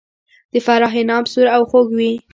د فراه عناب سور او خوږ وي.